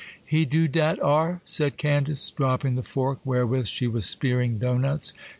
'He do dat ar'?' said Candace, dropping the fork wherewith she was spearing doughnuts.